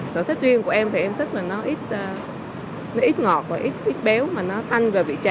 sở thích riêng của em thì em thích là nó ít ngọt và ít béo mà nó thanh vào vị trà